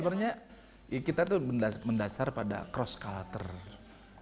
sebenarnya kita tuh mendasar pada cross culture